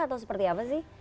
atau seperti apa sih